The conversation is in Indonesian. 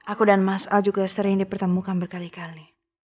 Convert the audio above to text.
aku dan mas al juga sering dipertemukan berkali kali